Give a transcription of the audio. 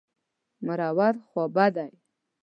مرور... خوابدی.